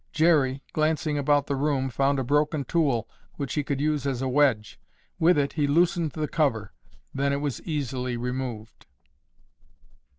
Jerry, glancing about the room, found a broken tool which he could use as a wedge. With it he loosened the cover. Then it was easily removed.